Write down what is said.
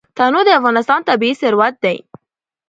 تنوع د افغانستان طبعي ثروت دی.